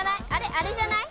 あれじゃない？